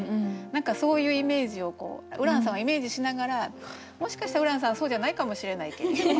何かそういうイメージをこうＵｒａＮさんをイメージしながらもしかしたらＵｒａＮさんはそうじゃないかもしれないけれど。